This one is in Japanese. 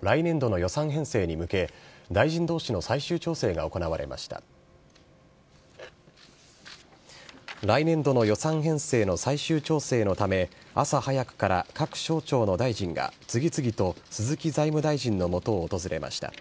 来年度の予算編成の最終調整のため朝早くから各省庁の大臣が、次々と鈴木財務大臣の元を訪れました。